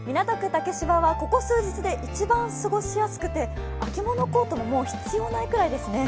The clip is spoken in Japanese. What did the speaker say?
竹芝はここ数日で一番過ごしやすくて、秋物コートも必要ないくらいですね。